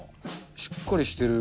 しっかりしてる。